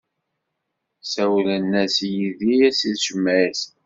Sawlen-as-d i Yidir si tejmaɛt.